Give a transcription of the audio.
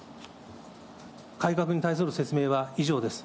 改革に対する説明は以上です。